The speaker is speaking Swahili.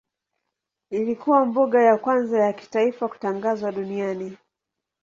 Ilikuwa mbuga ya kwanza wa kitaifa kutangazwa duniani.